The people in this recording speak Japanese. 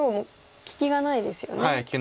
利きがないです。